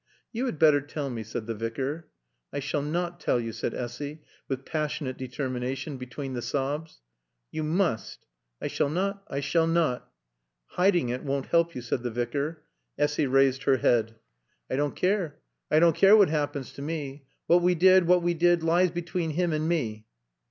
"You had better tell me," said the Vicar. "I s'all nat tall yo'," said Essy, with passionate determination, between the sobs. "You must." "I s'all nat I s'all nat." "Hiding it won't help you," said the Vicar. Essy raised her head. "I doan' keer. I doan' keer what 'appens to mae. What wae did what wae did lies between him and mae."